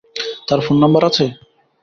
তার phone number আছে?